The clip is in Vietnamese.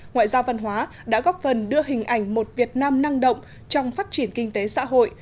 ngoại giao văn hóa đã góp phần đưa hình ảnh một việt nam năng động trong phát triển kinh tế xã hội